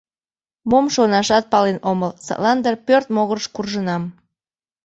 Мом шонашат пален омыл, садлан дыр пӧрт могырыш куржынам.